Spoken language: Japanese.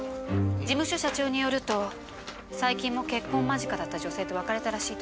事務所社長によると最近も結婚間近だった女性と別れたらしいという話です。